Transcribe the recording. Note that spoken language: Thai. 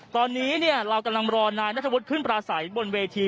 ตอนนี้เนี่ยเรากำลังรอนายนัทธวุฒิขึ้นปราศัยบนเวที